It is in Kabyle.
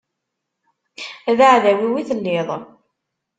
D aɛdaw-iw i telliḍ.